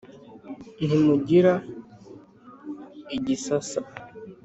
ntimugira igisasa,